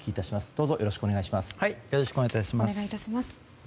どうぞよろしくお願い致します。